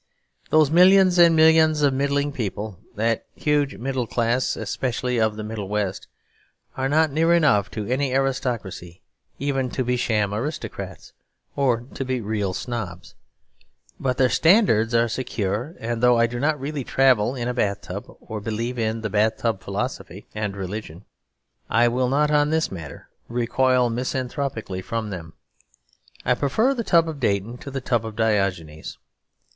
Those millions and millions of middling people, that huge middle class especially of the Middle West, are not near enough to any aristocracy even to be sham aristocrats, or to be real snobs. But their standards are secure; and though I do not really travel in a bath tub, or believe in the bath tub philosophy and religion, I will not on this matter recoil misanthropically from them: I prefer the tub of Dayton to the tub of Diogenes.